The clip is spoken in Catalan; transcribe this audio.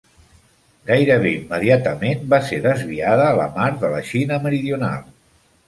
Gairebé immediatament va ser desviada a la Mar de la Xina Meridional.